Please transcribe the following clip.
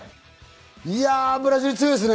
ブラジル強いですね。